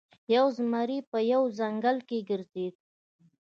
یو زمری په یوه ځنګل کې ګرځیده.